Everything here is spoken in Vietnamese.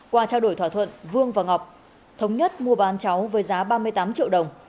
qua trao đổi thỏa thuận vương và ngọc thống nhất mua bán cháu với giá ba mươi tám triệu đồng